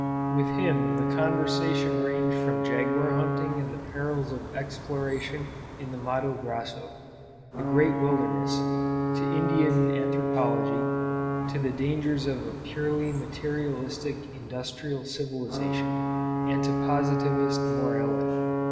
With him the conversation ranged from jaguar hunting and the perils of exploration in the "Matto Grosso," the great wilderness, to Indian anthropology, to the dangers of a purely materialistic industrial civilization, and to Positivist morality.